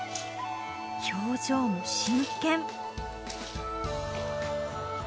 表情も真剣。